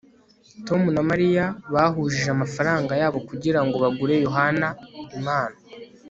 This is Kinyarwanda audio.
tom na mariya bahujije amafaranga yabo kugirango bagure yohana impano